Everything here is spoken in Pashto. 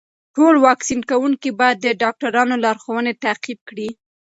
ټول واکسین کوونکي باید د ډاکټرانو لارښوونې تعقیب کړي.